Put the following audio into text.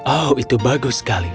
oh itu bagus sekali